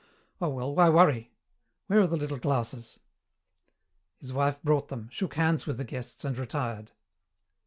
Oh, well, why worry? Where are the little glasses?" His wife brought them, shook hands with the guests, and retired.